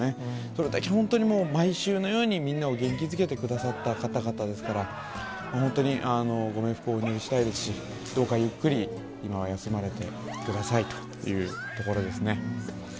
それだけ本当に毎週のようにみんなを元気づけてくださった方々ですから、本当にご冥福をお祈りしたいですし、どうかゆっくり、今は休まれてくださいというところですね。